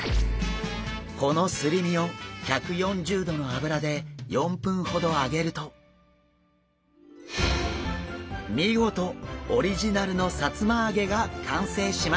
このすり身を１４０度の油で４分ほど揚げると見事オリジナルのさつま揚げが完成しました！